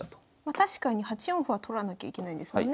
確かに８四歩は取らなきゃいけないですもんね